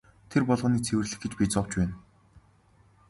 Тэр болгоныг цэвэрлэх гэж би зовж байна.